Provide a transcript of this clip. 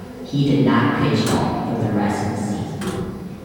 He did not pitch at all for the rest of the season.